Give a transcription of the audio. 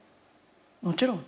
もちろん。